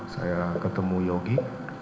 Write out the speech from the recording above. saya ketemu yogi